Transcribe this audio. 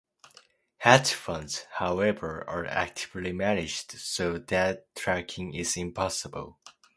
Hedge funds, however, are actively managed, so that tracking is impossible.